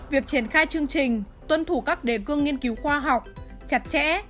việc triển khai chương trình tuân thủ các đề cương nghiên cứu khoa học chặt chẽ